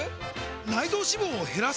内臓脂肪を減らす！？